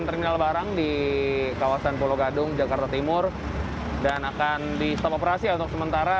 terminal barang di kawasan pulau gadung jakarta timur dan akan di stop operasi untuk sementara